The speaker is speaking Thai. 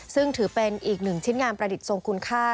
ซึ่งถือเป็นอีกหนึ่งชิ้นงานประดิษฐ์ทรงคุณค่า